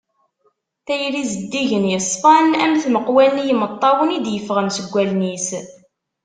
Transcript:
Tayri zeddigen, yeṣfan am tmeqwa-nni n yimeṭṭawen i d-yeffɣen seg wallen-is.